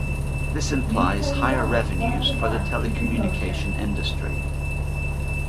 This implies higher revenues for the telecommunication industry.